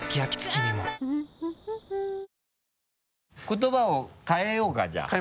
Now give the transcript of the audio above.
言葉を変えようかじゃあ。